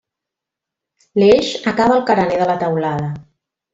L'eix acaba al carener de la teulada.